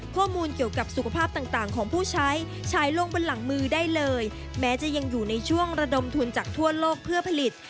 ข้อมูลเกี่ยวกับสุขภาพต่างของผู้ใช้ฉายลงบนหลังมือได้เลยแม้จะยังอยู่ในช่วงระดมทุนจากทั่วโลกเพื่อผลิต